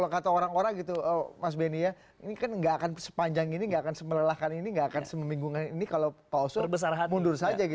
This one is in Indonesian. kami akan segera kembali